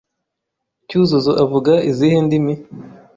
Cyuzuzo avuga izihe ndimi?